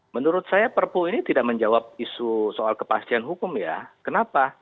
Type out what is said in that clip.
menurut saya perpu ini tidak menjawab isu soal kepastian hukum ya kenapa